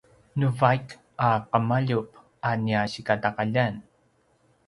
nu vaik a qemaljup a nia sikataqaljan